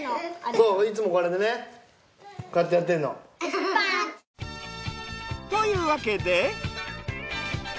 そういつもこれでねこうやってやってんの。というわけで。